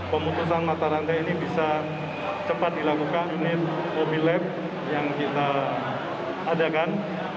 pemutusan mata rantai ini bisa cepat dilakukan unit mobil lab yang kita adakan